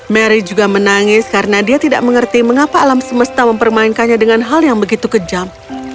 mary juga menangis karena dia tidak mengerti mengapa alam semesta mempermainkannya dengan hal yang begitu kejam